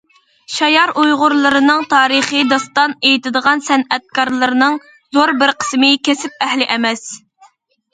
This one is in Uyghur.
شايار ئۇيغۇرلىرىنىڭ تارىخىي داستان ئېيتىدىغان سەنئەتكارلىرىنىڭ زور بىر قىسمى كەسىپ ئەھلى ئەمەس.